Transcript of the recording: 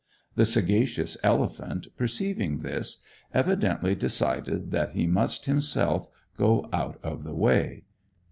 The sagacious elephant, perceiving this, evidently decided that he must himself go out of the way.